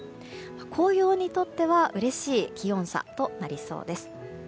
紅葉にとってはうれしい気温差となりそうです。